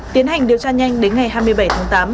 tiến hành điều tra nhanh đến ngày hai mươi bảy tháng tám